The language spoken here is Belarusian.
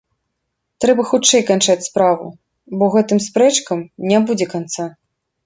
Трэба хутчэй канчаць справу, бо гэтым спрэчкам не будзе канца.